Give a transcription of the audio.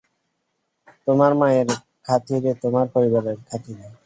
তোমার মায়ের খাতিরে, তোমার পরিবারের খাতিরে।